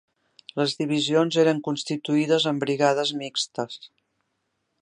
Les divisions eren constituïdes amb «brigades mixtes»